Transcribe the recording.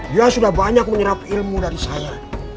dia sudah banyak menyerap ilmu dari saya